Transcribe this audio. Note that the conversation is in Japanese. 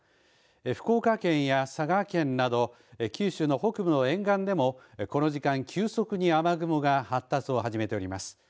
福岡県や佐賀県など九州の北部の沿岸でもこの時間、急速に雨雲が発達し始めております。